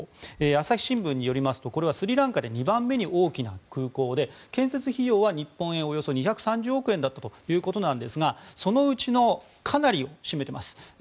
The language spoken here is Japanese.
朝日新聞によりますとこれはスリランカで２番目に大きな空港で建設費用は日本円でおよそ２３０億円だったということですがそのうちのかなりを占めています。